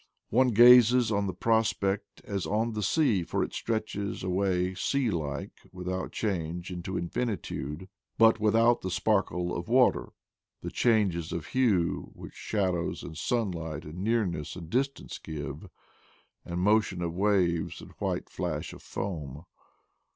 One gazes on the prospect as on the sea, for it stretches away sea like, without change, into infinitude; but without the sparkle of water, the changes of hue which shadows and sunlight and nearness and distance give, and motion of waves and white flash of foam.